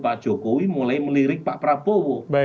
pak jokowi mulai melirik pak prabowo